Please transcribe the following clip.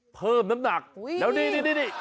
เพิ่มน้ำหนักแล้วนี่